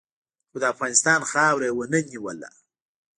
خو د افغانستان خاوره یې و نه نیوله.